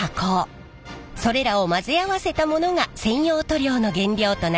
それらを混ぜ合わせたものが専用塗料の原料となります。